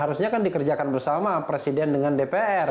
harusnya kan dikerjakan bersama presiden dengan dpr